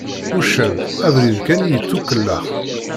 Uccen, abrid kan i yettukellex.